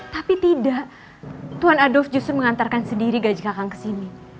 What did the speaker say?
tapi tidak tuan adolf justru mengantarkan sendiri gaji kakang kesini